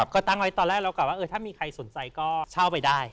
ก็ตั้งไว้ตอนแรกเรากลับว่าถ้ามีใครสนใจก็เช่าไปได้